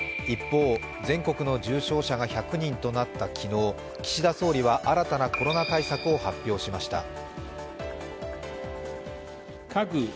一方、全国の重症者が１００人となった昨日岸田総理は新たなコロナ対策を発表しました。